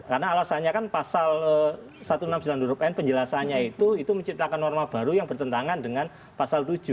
karena alasannya kan pasal satu ratus enam puluh sembilan huruf n penjelasannya itu menciptakan norma baru yang bertentangan dengan pasal tujuh